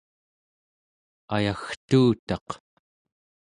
ayagtuutaq